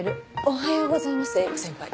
おはようございます英子先輩。